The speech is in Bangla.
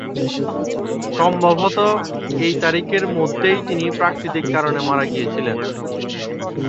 সম্ভবত এই তারিখের মধ্যেই তিনি প্রাকৃতিক কারণে মারা গিয়েছিলেন।